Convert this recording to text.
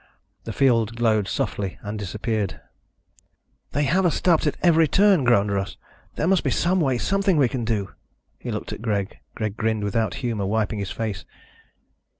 The field glowed softly and disappeared. "They have us stopped at every turn," groaned Russ. "There must be some way, something we can do." He looked at Greg. Greg grinned without humor, wiping his face.